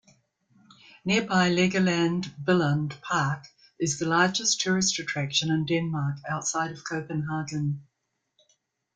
Nearby Legoland Billund park is the largest tourist attraction in Denmark outside of Copenhagen.